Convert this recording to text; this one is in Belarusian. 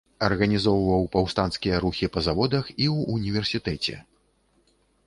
Арганізоўваў паўстанцкія рухі па заводах і ў універсітэце.